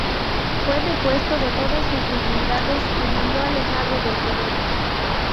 Fue depuesto de todas sus dignidades y murió alejado del poder.